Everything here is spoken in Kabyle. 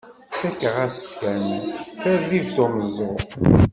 Ttakeɣ-as kan, tarbibt umeẓẓuɣ.